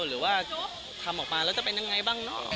หรือว่าทำออกมาแล้วจะเป็นยังไงบ้างเนอะ